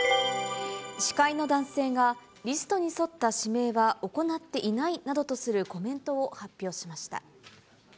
司会の男性が、リストに沿った指名は行っていないなどとするコメントを発表しました。